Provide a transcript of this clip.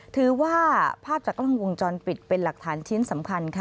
ภาพจากกล้องวงจรปิดเป็นหลักฐานชิ้นสำคัญค่ะ